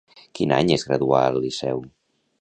Quin any es graduà al Liceu?